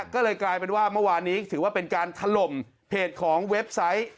ก็เลยกลายเป็นว่าเมื่อวานนี้ถือว่าเป็นการถล่มเพจของเว็บไซต์